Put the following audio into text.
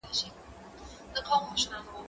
زه اوس درسونه لوستل کوم؟